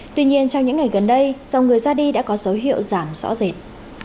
tuy nhiên trong những ngày gần đây dòng người ra đi đã có dấu hiệu giảm rõ rệt